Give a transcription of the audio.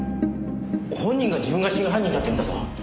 本人が自分が真犯人だって言うんだぞ。